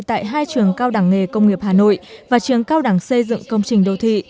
tại hai trường cao đẳng nghề công nghiệp hà nội và trường cao đẳng xây dựng công trình đô thị